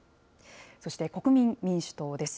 そして国民民主党です。